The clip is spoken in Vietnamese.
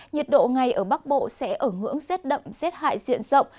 nhiệt độ ngày ở bắc bộ sẽ ở ngưỡng rét đậm rét hại diện rộng